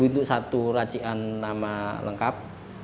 lima puluh itu satu racian nama lengkap